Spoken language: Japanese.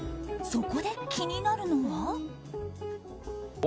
そこで気になるのは。